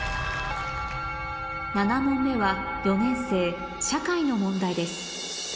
７問目は４年生社会の問題です